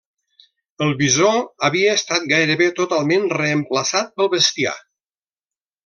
El bisó havia estat gairebé totalment reemplaçat pel bestiar.